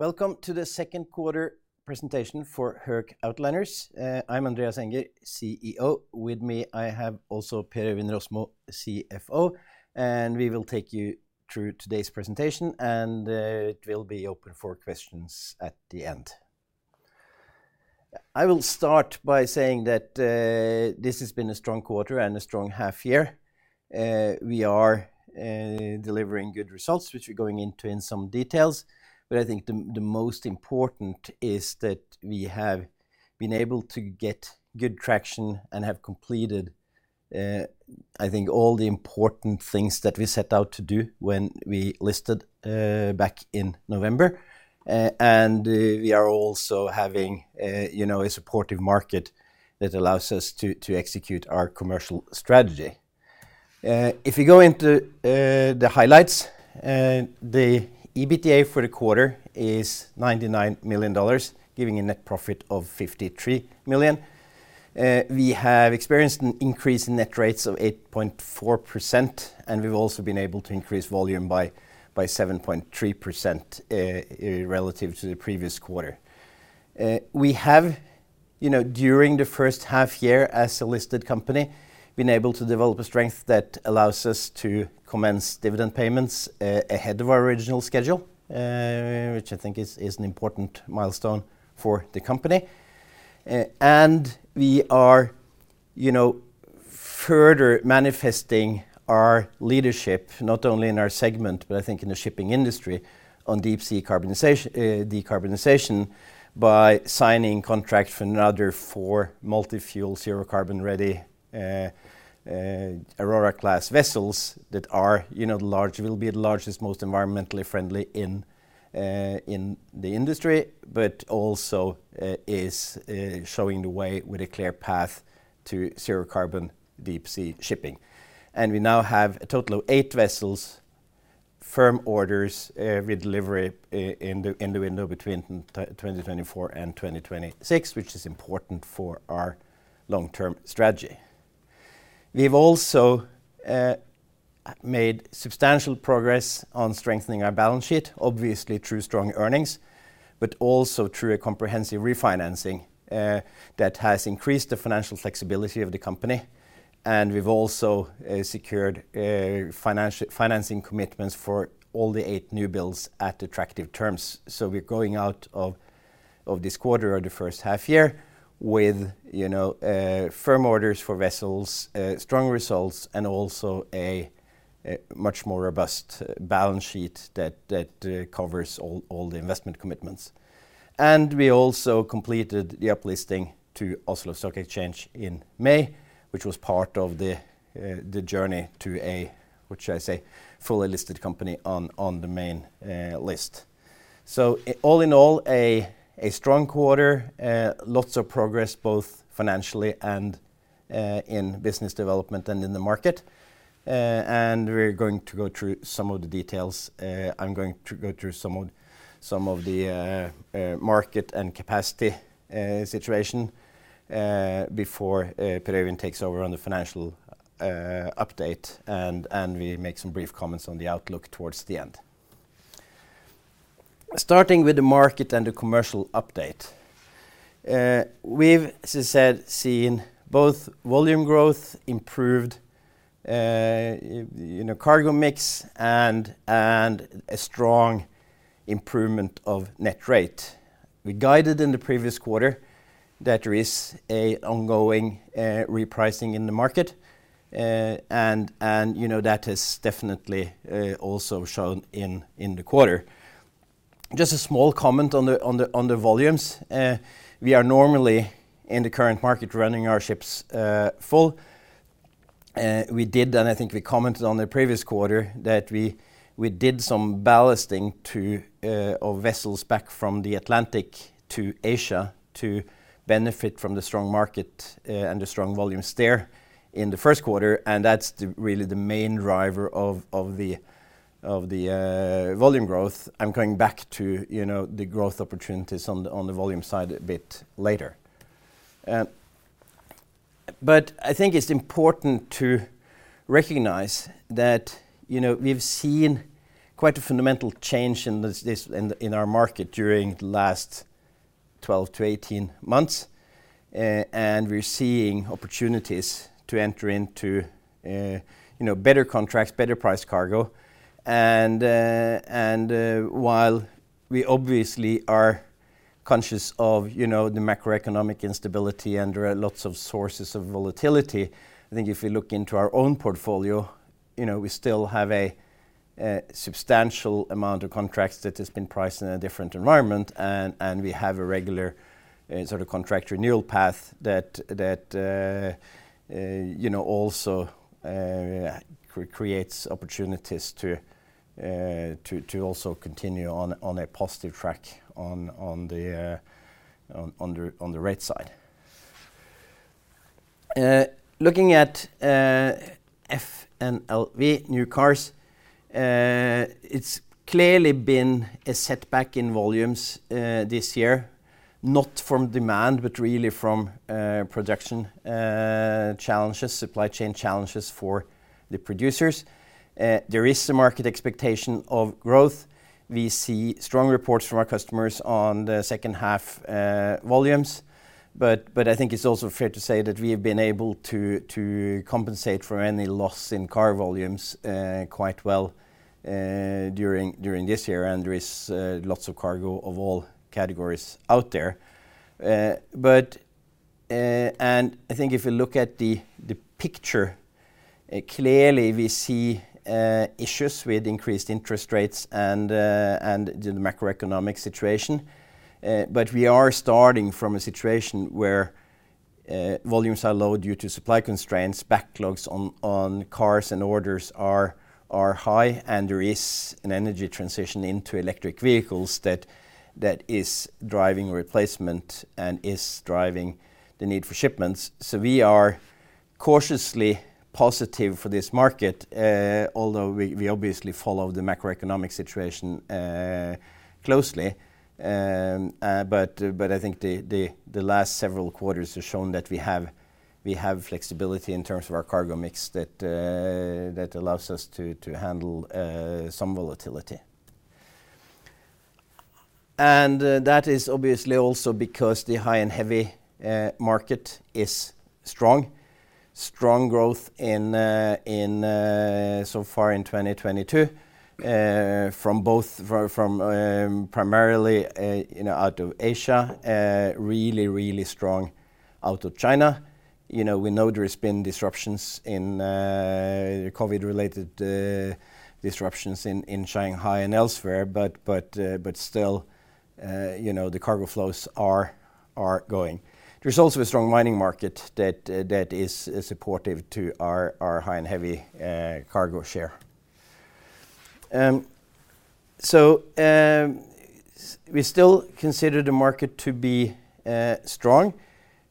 Welcome to the Q2 presentation for Höegh Autoliners. I'm Andreas Enger, CEO. With me I have also Per Øivind Rosmo, CFO, and we will take you through today's presentation, and it will be open for questions at the end. I will start by saying that this has been a strong quarter and a strong half year. We are delivering good results, which we're going into in some details, but I think the most important is that we have been able to get good traction and have completed, I think, all the important things that we set out to do when we listed back in November. And we are also having a supportive market that allows us to execute our commercial strategy. If we go into the highlights, the EBITDA for the quarter is $99 million, giving a net profit of $53 million. We have experienced an increase in net rates of 8.4%, and we've also been able to increase volume by 7.3% relative to the previous quarter. We have, during the first half year as a listed company, been able to develop a strength that allows us to commence dividend payments ahead of our original schedule, which I think is an important milestone for the company. And we are further manifesting our leadership, not only in our segment, but I think in the shipping industry, on Deep Sea Decarbonization by signing contracts for another four multi-fuel, zero-carbon-ready Aurora-class vessels that will be the largest, most environmentally friendly in the industry, but also is showing the way with a clear path to zero-carbon deep sea shipping. And we now have a total of eight vessels, firm orders with delivery in the window between 2024 and 2026, which is important for our long-term strategy. We've also made substantial progress on strengthening our balance sheet, obviously through strong earnings, but also through a comprehensive refinancing that has increased the financial flexibility of the company. And we've also secured financing commitments for all the 8 newbuilds at attractive terms. So we're going out of this quarter or the first half year with firm orders for vessels, strong results, and also a much more robust balance sheet that covers all the investment commitments. And we also completed the uplisting to Oslo Stock Exchange in May, which was part of the journey to a, which I say, fully listed company on the main list. So all in all, a strong quarter, lots of progress both financially and in business development and in the market. And we're going to go through some of the details. I'm going to go through some of the market and capacity situation before Per Øivind takes over on the financial update, and we make some brief comments on the outlook towards the end. Starting with the market and the commercial update, we've, as I said, seen both volume growth, improved cargo mix, and a strong improvement of net rate. We guided in the previous quarter that there is an ongoing repricing in the market, and that has definitely also shown in the quarter. Just a small comment on the volumes. We are normally in the current market running our ships full. We did, and I think we commented on the previous quarter, that we did some ballasting of vessels back from the Atlantic to Asia to benefit from the strong market and the strong volumes there in the Q1, and that's really the main driver of the volume growth. I'm coming back to the growth opportunities on the volume side a bit later. But I think it's important to recognize that we've seen quite a fundamental change in our market during the last 12-18 months, and we're seeing opportunities to enter into better contracts, better price cargo. And while we obviously are conscious of the macroeconomic instability and there are lots of sources of volatility, I think if we look into our own portfolio, we still have a substantial amount of contracts that have been priced in a different environment, and we have a regular sort of contract renewal path that also creates opportunities to also continue on a positive track on the right side. Looking at FNLV, new cars, it's clearly been a setback in volumes this year, not from demand, but really from production challenges, supply chain challenges for the producers. There is some market expectation of growth. We see strong reports from our customers on the second half volumes, but I think it's also fair to say that we have been able to compensate for any loss in car volumes quite well during this year, and there is lots of cargo of all categories out there. And I think if we look at the picture, clearly we see issues with increased interest rates and the macroeconomic situation, but we are starting from a situation where volumes are low due to supply constraints, backlogs on cars and orders are high, and there is an energy transition into electric vehicles that is driving replacement and is driving the need for shipments. So we are cautiously positive for this market, although we obviously follow the macroeconomic situation closely. But I think the last several quarters have shown that we have flexibility in terms of our cargo mix that allows us to handle some volatility. And that is obviously also because the High and Heavy market is strong. Strong growth so far in 2022 from primarily out of Asia, really, really strong out of China. We know there have been COVID-related disruptions in Shanghai and elsewhere, but still the cargo flows are going. There's also a strong mining market that is supportive to our High and Heavy cargo share. So we still consider the market to be strong.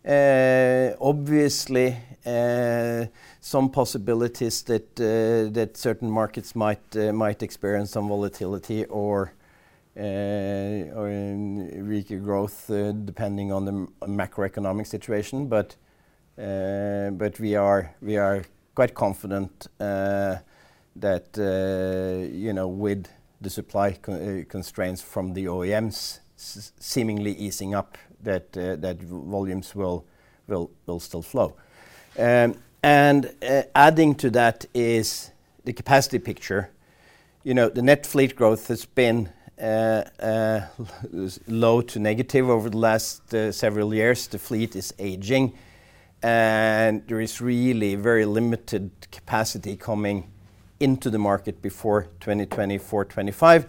Obviously, some possibilities that certain markets might experience some volatility or weaker growth depending on the macroeconomic situation, but we are quite confident that with the supply constraints from the OEMs seemingly easing up, that volumes will still flow. And adding to that is the capacity picture. The net fleet growth has been low to negative over the last several years. The fleet is aging, and there is really very limited capacity coming into the market before 2024, 2025.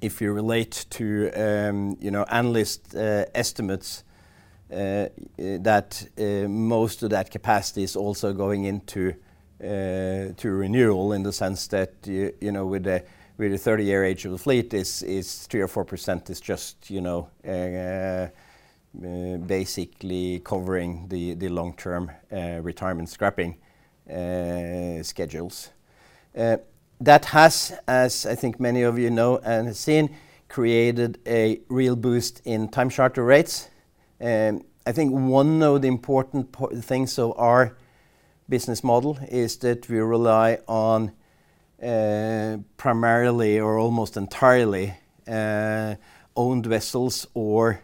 If we relate to analyst estimates that most of that capacity is also going into renewal in the sense that with the 30-year age of the fleet, 3%-4% is just basically covering the long-term retirement scrapping schedules. That has, as I think many of you know and have seen, created a real boost in time charter rates. I think one of the important things of our business model is that we rely on primarily or almost entirely owned vessels or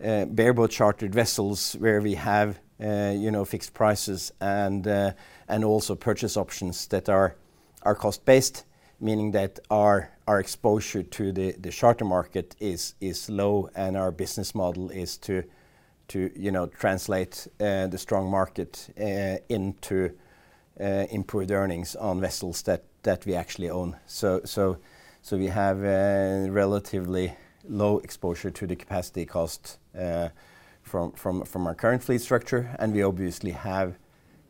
bareboat chartered vessels where we have fixed prices and also purchase options that are cost-based, meaning that our exposure to the charter market is low and our business model is to translate the strong market into improved earnings on vessels that we actually own. So we have relatively low exposure to the capacity cost from our current fleet structure, and we obviously have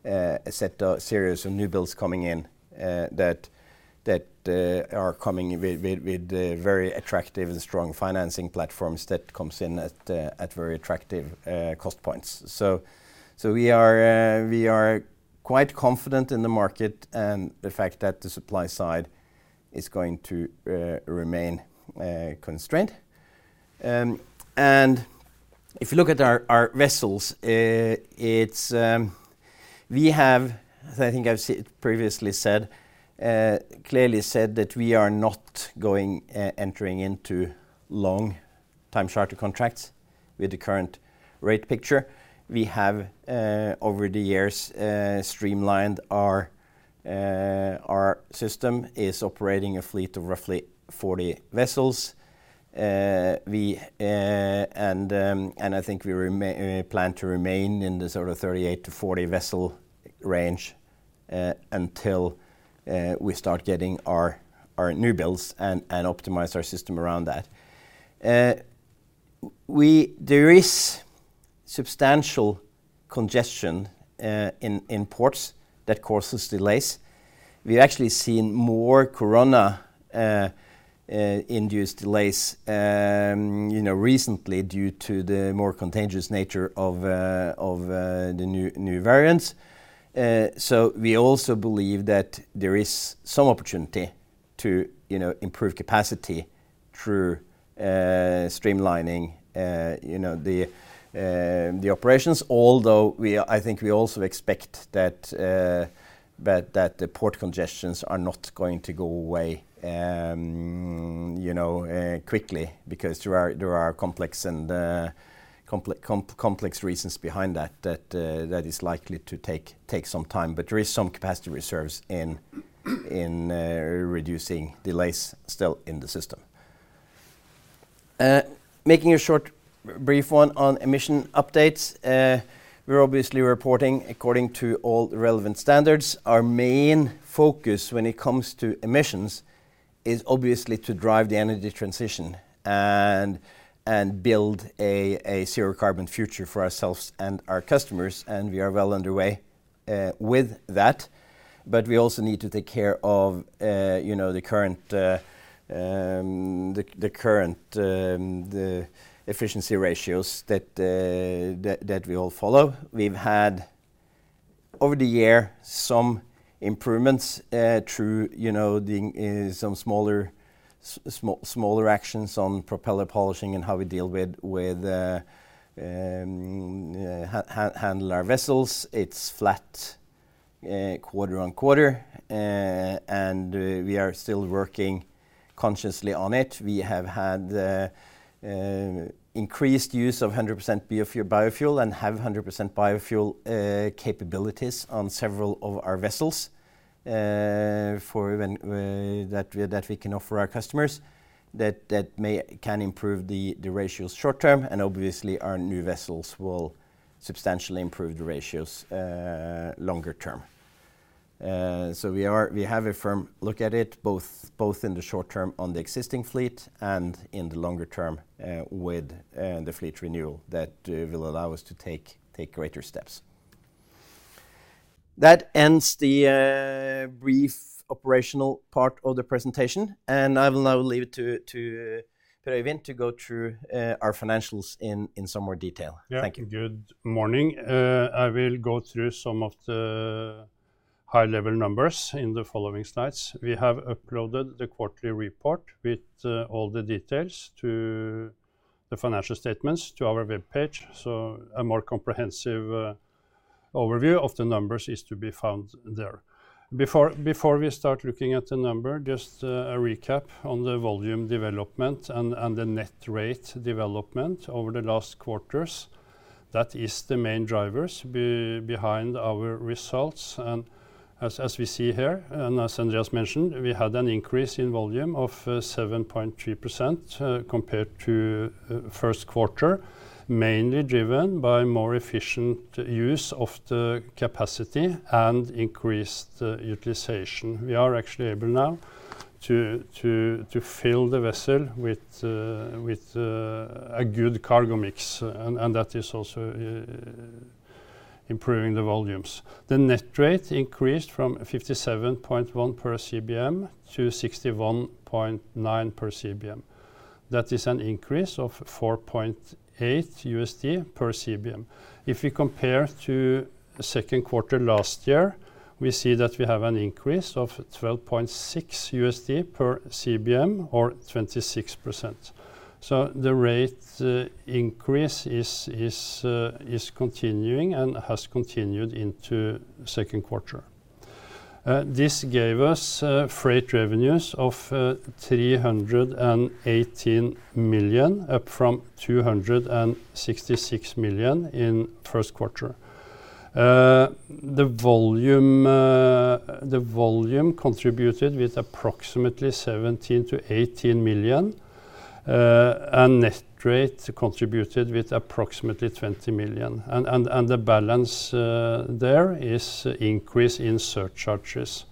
a series of newbuilds coming in that are coming with very attractive and strong financing platforms that come in at very attractive cost points. So we are quite confident in the market and the fact that the supply side is going to remain constrained. If you look at our vessels, we have, as I think I've previously said, clearly said that we are not going to enter into long time charter contracts with the current rate picture. We have over the years streamlined our fleet operating a fleet of roughly 40 vessels, and I think we plan to remain in the sort of 38-40 vessel range until we start getting our newbuilds and optimize our fleet around that. There is substantial congestion in ports that causes delays. We've actually seen more corona-induced delays recently due to the more contagious nature of the new variants. So we also believe that there is some opportunity to improve capacity through streamlining the operations, although I think we also expect that the port congestions are not going to go away quickly because there are complex reasons behind that that is likely to take some time, but there is some capacity reserves in reducing delays still in the system. Making a short brief one on emission updates. We're obviously reporting according to all relevant standards. Our main focus when it comes to emissions is obviously to drive the energy transition and build a zero-carbon future for ourselves and our customers, and we are well underway with that. But we also need to take care of the current efficiency ratios that we all follow. We've had over the year some improvements through some smaller actions on propeller polishing and how we deal with handle our vessels. It's flat quarter-over-quarter, and we are still working consciously on it. We have had increased use of 100% biofuel and have 100% biofuel capabilities on several of our vessels that we can offer our customers that can improve the ratios short term, and obviously our new vessels will substantially improve the ratios longer term. So we have a firm look at it both in the short term on the existing fleet and in the longer term with the fleet renewal that will allow us to take greater steps. That ends the brief operational part of the presentation, and I will now leave it to Per Øivind to go through our financials in some more detail. Thank you. Good morning. I will go through some of the high-level numbers in the following slides. We have uploaded the quarterly report with all the details to the financial statements to our web page, so a more comprehensive overview of the numbers is to be found there. Before we start looking at the number, just a recap on the volume development and the net rate development over the last quarters. That is the main drivers behind our results. And as we see here, and as Andreas mentioned, we had an increase in volume of 7.3% compared to Q1, mainly driven by more efficient use of the capacity and increased utilization. We are actually able now to fill the vessel with a good cargo mix, and that is also improving the volumes. The net rate increased from 57.1 per CBM to 61.9 per CBM. That is an increase of $4.8 per CBM. If we compare to Q2 last year, we see that we have an increase of $12.6 per CBM or 26%. The rate increase is continuing and has continued into Q2. This gave us freight revenues of $318 million, up from $266 million in Q1. The volume contributed with approximately $17-18 million, and net rate contributed with approximately $20 million. The balance there is increase in surcharges.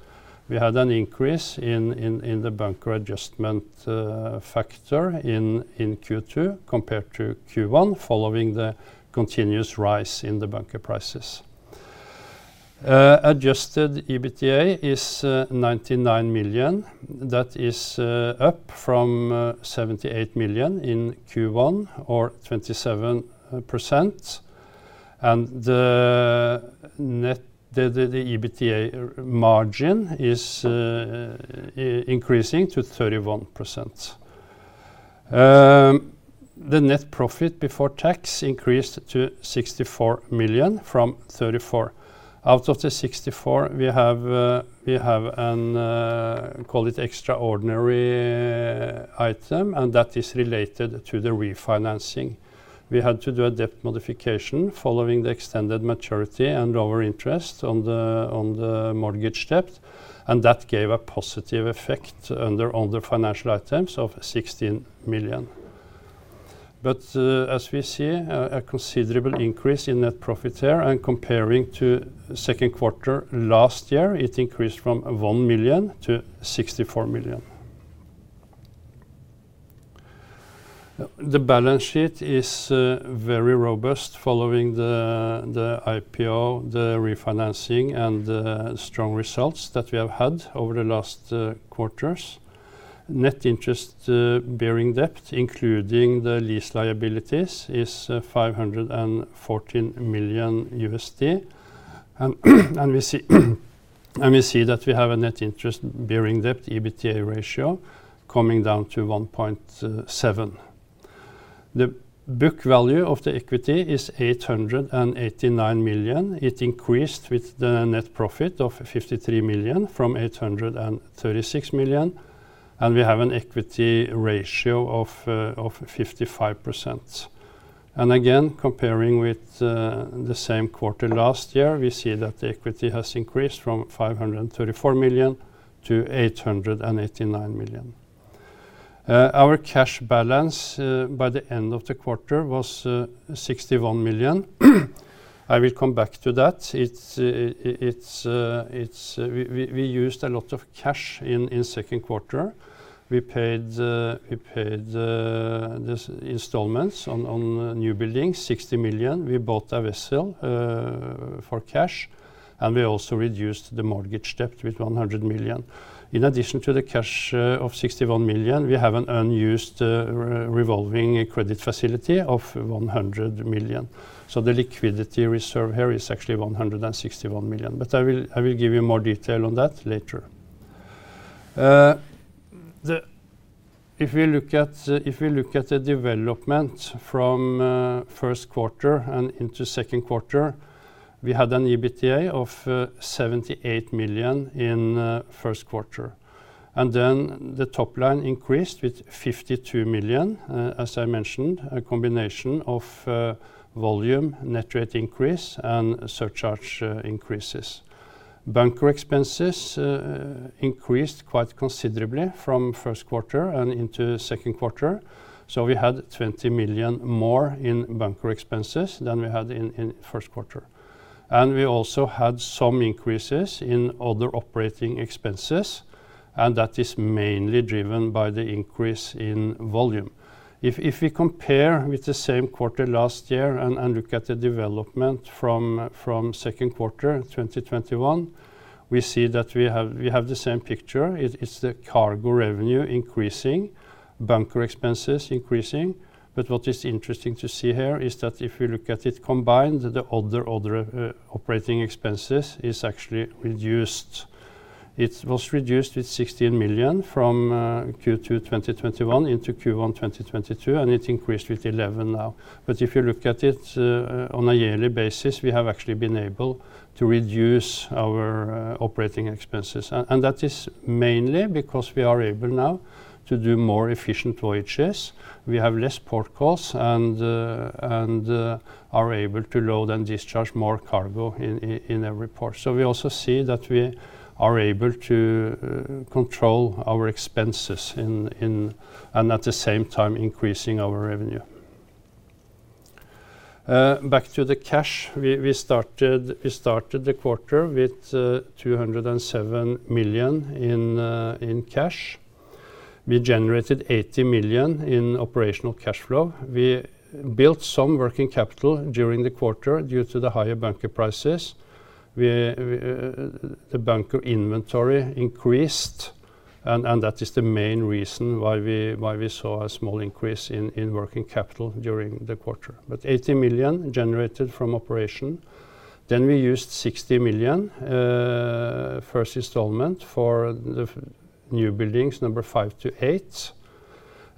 We had an increase in the Bunker Adjustment Factor in Q2 compared to Q1 following the continuous rise in the bunker prices. Adjusted EBITDA is $99 million. That is up from $78 million in Q1 or 27%. The EBITDA margin is increasing to 31%. The net profit before tax increased to $64 million from $34 million. Out of the $64 million, we have an extraordinary item, and that is related to the refinancing. We had to do a debt modification following the extended maturity and lower interest on the mortgage debt, and that gave a positive effect under all the financial items of $16 million. But as we see, a considerable increase in net profit there, and comparing to Q2 last year, it increased from $1 million to $64 million. The balance sheet is very robust following the IPO, the refinancing, and the strong results that we have had over the last quarters. Net interest bearing debt, including the lease liabilities, is $514 million. We see that we have a net interest bearing debt EBITDA ratio coming down to 1.7. The book value of the equity is $889 million. It increased with the net profit of $53 million from $836 million, and we have an equity ratio of 55%. And again, comparing with the same quarter last year, we see that the equity has increased from $534 million to $889 million. Our cash balance by the end of the quarter was $61 million. I will come back to that. We used a lot of cash in Q2. We paid the installments on newbuilds $60 million. We bought a vessel for cash, and we also reduced the mortgage debt with $100 million. In addition to the cash of $61 million, we have an unused revolving credit facility of $100 million. So the liquidity reserve here is actually $161 million, but I will give you more detail on that later. If we look at the development from Q1 and into Q2, we had an EBITDA of $78 million in Q1. Then the top line increased with $52 million, as I mentioned, a combination of volume, net rate increase, and surcharge increases. Bunker expenses increased quite considerably from Q1 and into Q2. We had $20 million more in bunker expenses than we had in Q1. We also had some increases in other operating expenses, and that is mainly driven by the increase in volume. If we compare with the same quarter last year and look at the development from Q2 2021, we see that we have the same picture. It's the cargo revenue increasing, bunker expenses increasing. What is interesting to see here is that if we look at it combined, the other operating expenses is actually reduced. It was reduced with $16 million from Q2 2021 into Q1 2022, and it increased with $11 million now. But if you look at it on a yearly basis, we have actually been able to reduce our operating expenses. And that is mainly because we are able now to do more efficient voyages. We have less port calls and are able to load and discharge more cargo in every port. So we also see that we are able to control our expenses and at the same time increasing our revenue. Back to the cash, we started the quarter with $207 million in cash. We generated $80 million in operational cash flow. We built some working capital during the quarter due to the higher bunker prices. The bunker inventory increased, and that is the main reason why we saw a small increase in working capital during the quarter. But $80 million generated from operation. Then we used $60 million first installment for the new buildings, number 5 to 8.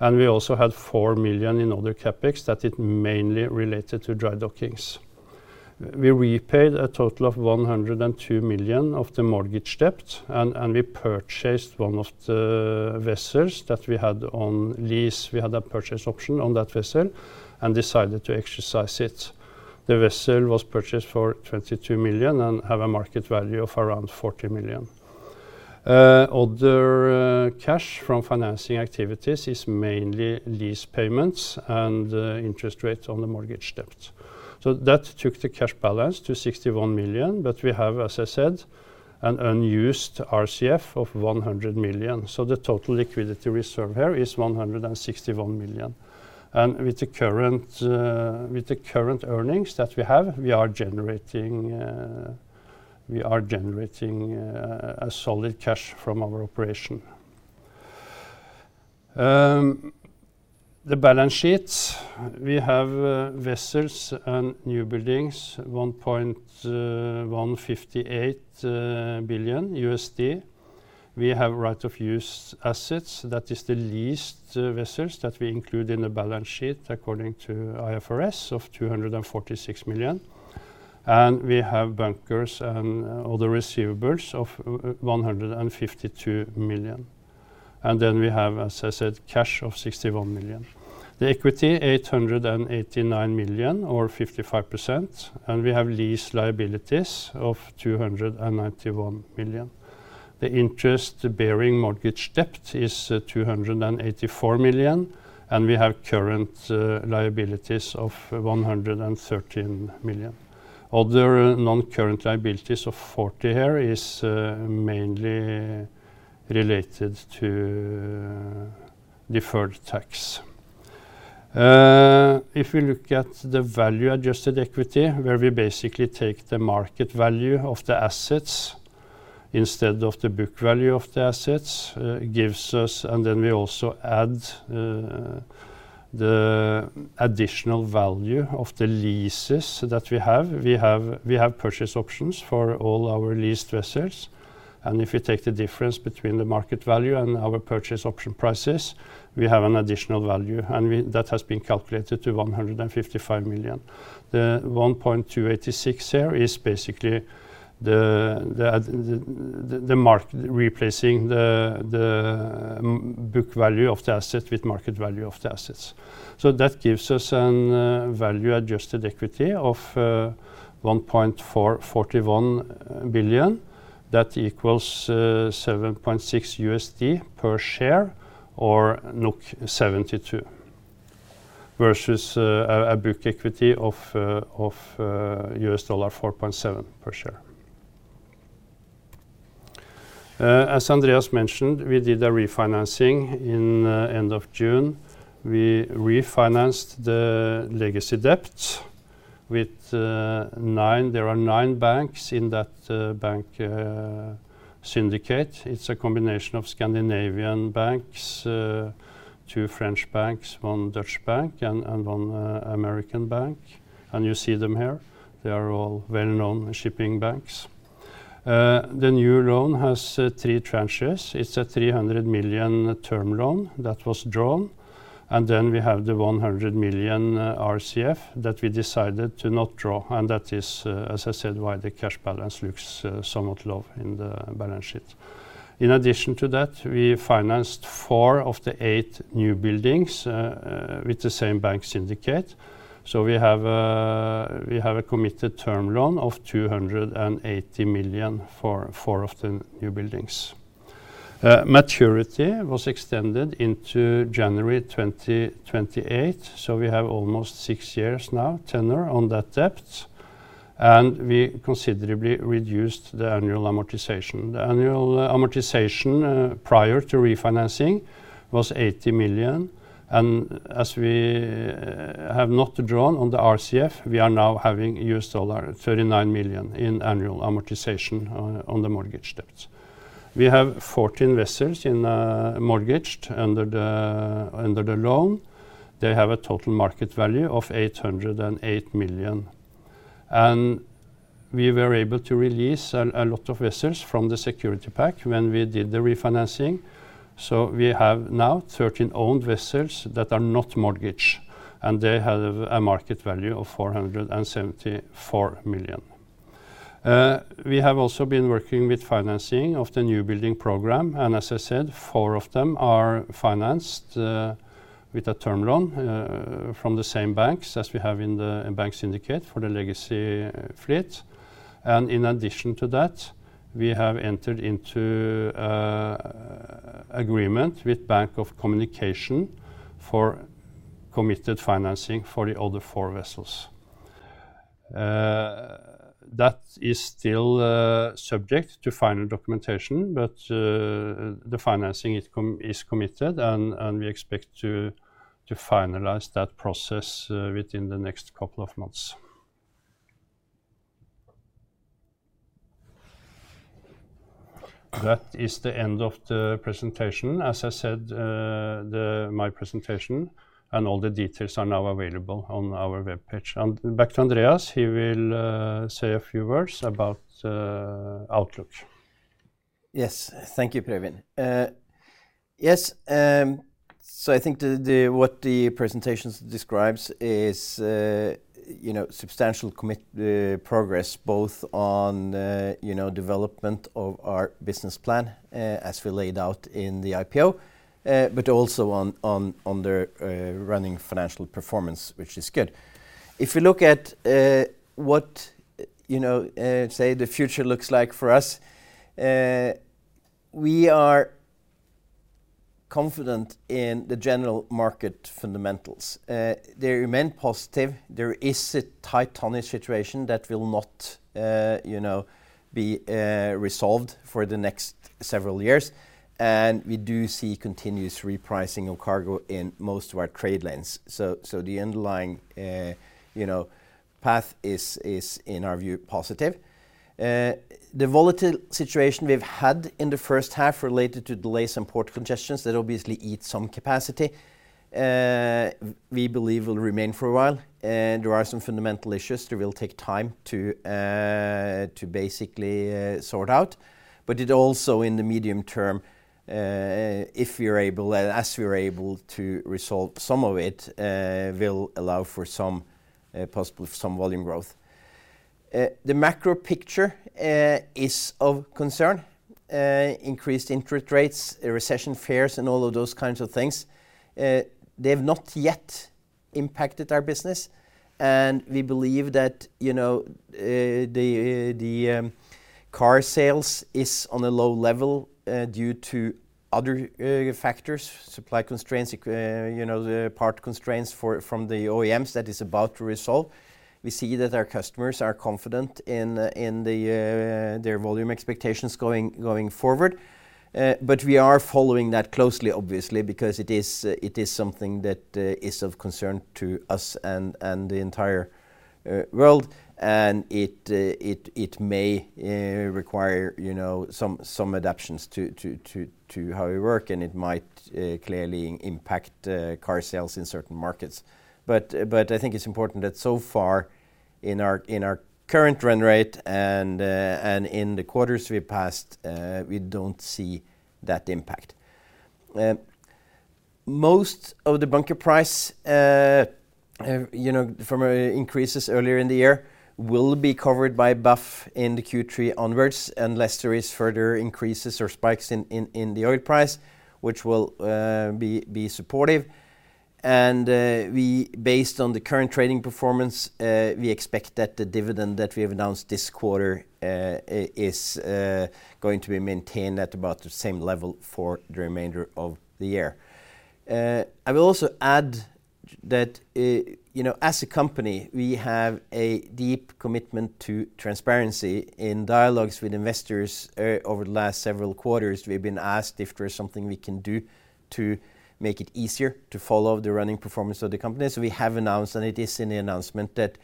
And we also had $4 million in other CapEx that mainly related to dry dockings. We repaid a total of $102 million of the mortgage debt, and we purchased one of the vessels that we had on lease. We had a purchase option on that vessel and decided to exercise it. The vessel was purchased for $22 million and have a market value of around $40 million. Other cash from financing activities is mainly lease payments and interest rate on the mortgage debt. So that took the cash balance to $61 million, but we have, as I said, an unused RCF of $100 million. So the total liquidity reserve here is $161 million. And with the current earnings that we have, we are generating a solid cash from our operation. The balance sheet, we have vessels and newbuilds, $1.158 billion. We have right-of-use assets. That is the leased vessels that we include in the balance sheet according to IFRS of $246 million. And we have bunkers and other receivables of $152 million. And then we have, as I said, cash of $61 million. The equity, $889 million or 55%, and we have lease liabilities of $291 million. The interest bearing mortgage debt is $284 million, and we have current liabilities of $113 million. Other non-current liabilities of $40 million here is mainly related to deferred tax. If we look at the value adjusted equity, where we basically take the market value of the assets instead of the book value of the assets, gives us, and then we also add the additional value of the leases that we have. We have purchase options for all our leased vessels, and if we take the difference between the market value and our purchase option prices, we have an additional value, and that has been calculated to $155 million. The 1.286 here is basically the market replacing the book value of the asset with market value of the assets. So that gives us a value adjusted equity of $1.441 billion. That equals $7.6 per share or 72 versus a book equity of $4.7 per share. As Andreas mentioned, we did a refinancing in the end of June. We refinanced the legacy debt with 9. There are 9 banks in that bank syndicate. It's a combination of Scandinavian banks, 2 French banks, 1 Dutch bank, and 1 American bank. And you see them here. They are all well-known shipping banks. The new loan has 3 tranches. It's a $300 million term loan that was drawn, and then we have the $100 million RCF that we decided to not draw, and that is, as I said, why the cash balance looks somewhat low in the balance sheet. In addition to that, we financed four of the eight newbuilds with the same bank syndicate. So we have a committed term loan of $280 million for four of the newbuilds. Maturity was extended into January 2028, so we have almost six years now tenor on that debt, and we considerably reduced the annual amortization. The annual amortization prior to refinancing was $80 million, and as we have not drawn on the RCF, we are now having used all our $39 million in annual amortization on the mortgage debt. We have 14 vessels mortgaged under the loan. They have a total market value of $808 million. We were able to release a lot of vessels from the security pack when we did the refinancing. We have now 13 owned vessels that are not mortgaged, and they have a market value of $474 million. We have also been working with financing of the new building program, and as I said, 4 of them are financed with a term loan from the same banks as we have in the bank syndicate for the legacy fleet. In addition to that, we have entered into an agreement with Bank of Communications for committed financing for the other 4 vessels. That is still subject to final documentation, but the financing is committed, and we expect to finalize that process within the next couple of months. That is the end of the presentation. As I said, my presentation and all the details are now available on our web page. Back to Andreas, he will say a few words about Outlook. Yes, thank you, Per Øivind. Yes, so I think what the presentation describes is substantial progress both on development of our business plan as we laid out in the IPO, but also on the running financial performance, which is good. If we look at what, say, the future looks like for us, we are confident in the general market fundamentals. They remain positive. There is a tight on the situation that will not be resolved for the next several years, and we do see continuous repricing of cargo in most of our trade lanes. So the underlying path is, in our view, positive. The volatile situation we've had in the first half related to delays and port congestions that obviously eat some capacity, we believe will remain for a while. There are some fundamental issues that will take time to basically sort out, but it also, in the medium term, if we are able, as we are able to resolve some of it, will allow for some volume growth. The macro picture is of concern: increased interest rates, recession fears, and all of those kinds of things. They have not yet impacted our business, and we believe that the car sales is on a low level due to other factors: supply constraints, the part constraints from the OEMs that is about to resolve. We see that our customers are confident in their volume expectations going forward, but we are following that closely, obviously, because it is something that is of concern to us and the entire world, and it may require some adaptations to how we work, and it might clearly impact car sales in certain markets. But I think it's important that so far, in our current run rate and in the quarters we past, we don't see that impact. Most of the bunker price from increases earlier in the year will be covered by BAF in the Q3 onwards, unless there are further increases or spikes in the oil price, which will be supportive. And based on the current trading performance, we expect that the dividend that we have announced this quarter is going to be maintained at about the same level for the remainder of the year. I will also add that as a company, we have a deep commitment to transparency in dialogues with investors. Over the last several quarters, we've been asked if there is something we can do to make it easier to follow the running performance of the company. So we have announced, and it is in the announcement, that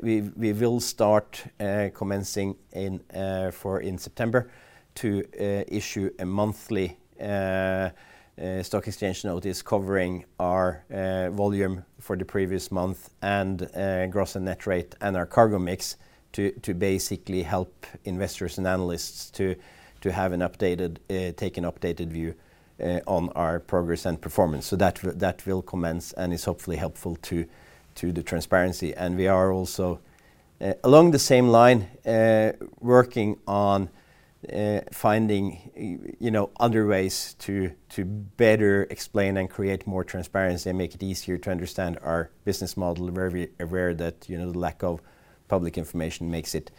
we will start commencing in September to issue a monthly stock exchange notice covering our volume for the previous month and gross and net rate and our cargo mix to basically help investors and analysts to take an updated view on our progress and performance. So that will commence and is hopefully helpful to the transparency. And we are also, along the same line, working on finding other ways to better explain and create more transparency and make it easier to understand our business model, where we are aware that the lack of public information makes it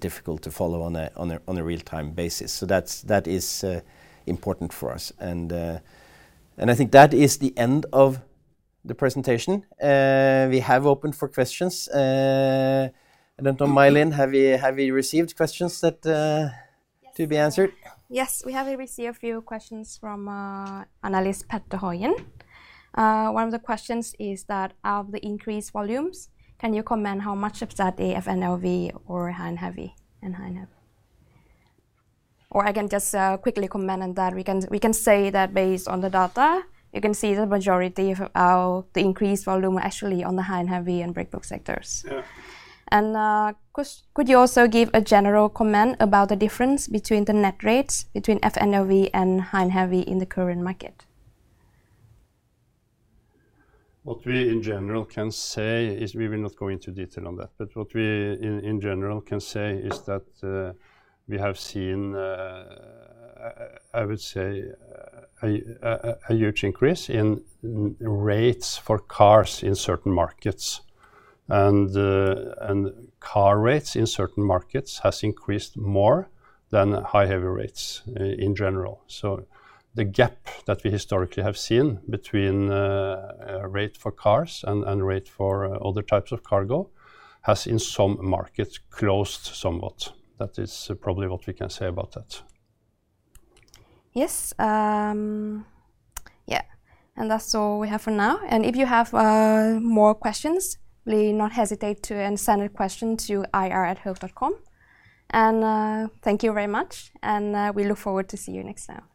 difficult to follow on a real-time basis. So that is important for us. And I think that is the end of the presentation. We have opened for questions. I don't know, My Linh, have we received questions to be answered? Yes, we have received a few questions from analyst Petter Haugen. One of the questions is that, of the increased volumes, can you comment how much of that FNLV or H&H? Or I can just quickly comment on that. We can say that based on the data, you can see the majority of the increased volume is actually on the H&H and breakbulk sectors. And could you also give a general comment about the difference between the net rates between FNLV and H&H in the current market? What we, in general, can say is we will not go into detail on that, but what we, in general, can say is that we have seen, I would say, a huge increase in rates for cars in certain markets, and car rates in certain markets have increased more than high and heavy rates in general. So the gap that we historically have seen between rate for cars and rate for other types of cargo has, in some markets, closed somewhat. That is probably what we can say about that. Yes. Yeah. And that's all we have for now. And if you have more questions, please do not hesitate to send a question to ir@hoegh.com. And thank you very much, and we look forward to seeing you next time.